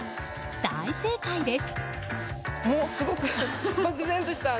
大正解です。